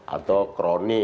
atau kronik gitu ya